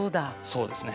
そうですね。